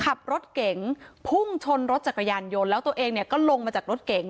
ขับรถเก๋งพุ่งชนรถจักรยานยนต์แล้วตัวเองเนี่ยก็ลงมาจากรถเก๋ง